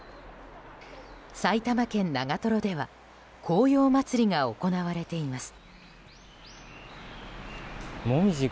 埼玉県長瀞では紅葉まつりが行われています。